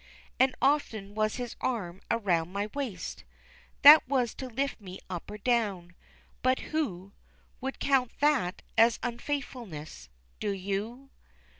And often was his arm around my waist That was to lift me up or down. But who Would count that as unfaithfulness? Do you?